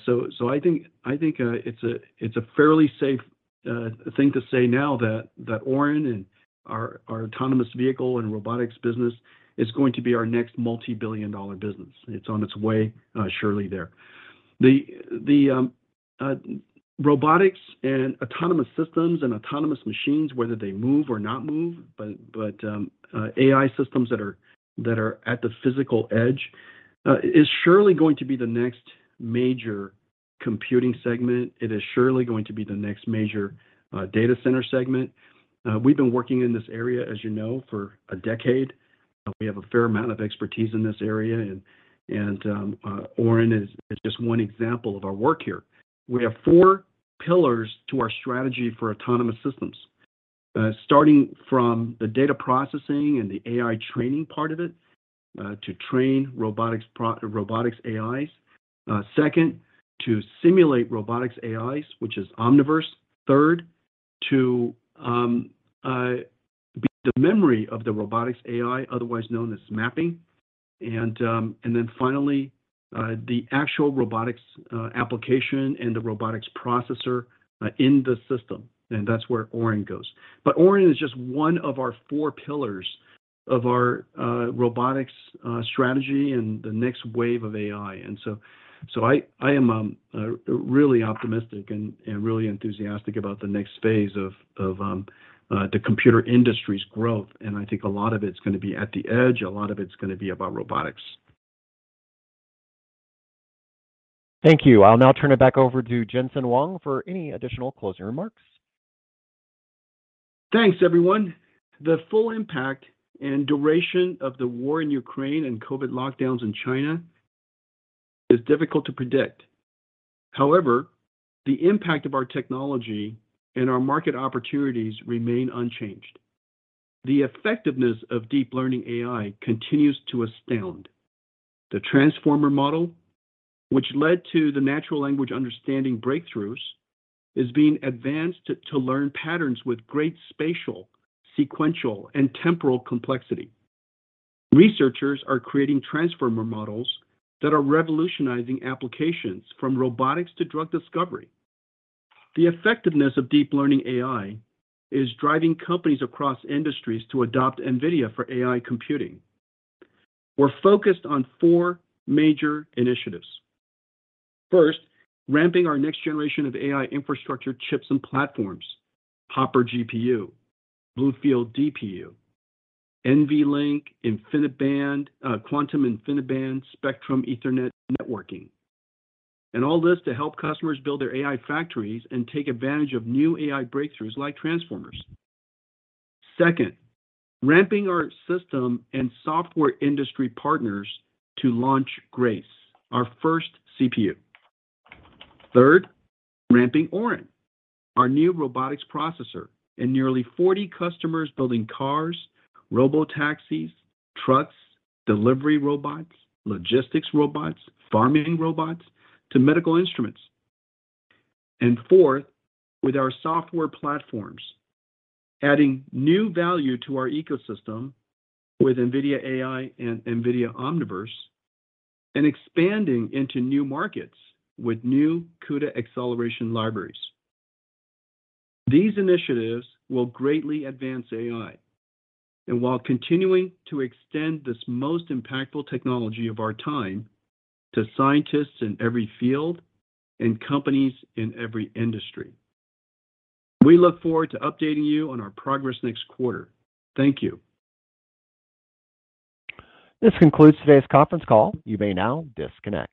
think it's a fairly safe thing to say now that Orin and our autonomous vehicle and robotics business is going to be our next multi-billion dollar business. It's on its way, surely there. The robotics and autonomous systems and autonomous machines, whether they move or not move, AI systems that are at the physical edge, is surely going to be the next major computing segment. It is surely going to be the next major data center segment. We've been working in this area, as you know, for a decade. We have a fair amount of expertise in this area and Orin is just one example of our work here. We have four pillars to our strategy for autonomous systems, starting from the data processing and the AI training part of it, to train robotics AIs. Second, to simulate robotics AIs, which is Omniverse. Third, to be the memory of the robotics AI, otherwise known as mapping, and then finally, the actual robotics application and the robotics processor in the system, and that's where Orin goes. Orin is just one of our four pillars of our robotics strategy and the next wave of AI. I am really optimistic and really enthusiastic about the next phase of the computer industry's growth, and I think a lot of it's gonna be at the edge, a lot of it's gonna be about robotics. Thank you. I'll now turn it back over to Jensen Huang for any additional closing remarks. Thanks, everyone. The full impact and duration of the war in Ukraine and COVID lockdowns in China is difficult to predict. However, the impact of our technology and our market opportunities remain unchanged. The effectiveness of deep learning AI continues to astound. The transformer model, which led to the natural language understanding breakthroughs, is being advanced to learn patterns with great spatial, sequential, and temporal complexity. Researchers are creating transformer models that are revolutionizing applications from robotics to drug discovery. The effectiveness of deep learning AI is driving companies across industries to adopt NVIDIA for AI computing. We're focused on four major initiatives. First, ramping our next generation of AI infrastructure chips and platforms, Hopper GPU, BlueField DPU, NVLink, InfiniBand, Quantum InfiniBand, Spectrum Ethernet networking, and all this to help customers build their AI factories and take advantage of new AI breakthroughs like transformers. Second, ramping our system and software industry partners to launch Grace, our first CPU. Third, ramping Orin, our new robotics processor, and nearly 40 customers building cars, robotaxis, trucks, delivery robots, logistics robots, farming robots to medical instruments. Fourth, with our software platforms, adding new value to our ecosystem with NVIDIA AI and NVIDIA Omniverse, and expanding into new markets with new CUDA acceleration libraries. These initiatives will greatly advance AI, and while continuing to extend this most impactful technology of our time to scientists in every field and companies in every industry. We look forward to updating you on our progress next quarter. Thank you. This concludes today's conference call. You may now disconnect.